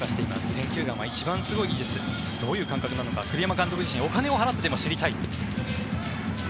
選球眼は一番すごい技術どういう感覚なのか栗山監督自身お金を払ってでも知りたいと。